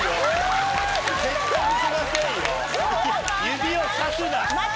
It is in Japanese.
指をさすな！